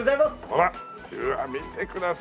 ほらうわ見てくださいよ。